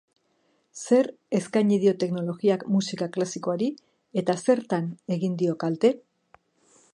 Zer eskaini dio teknologiak musika klasikoari eta zertan egin dio kalte?